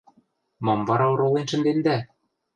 Мам вара оролен шӹндендӓ?..